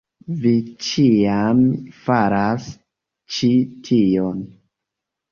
Vi ĉiam faras ĉi tion